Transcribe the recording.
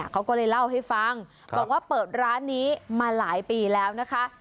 เขาก็เลยเล่าให้ฟังบอกว่าเปิดร้านนี้มาหลายปีแล้วนะคะ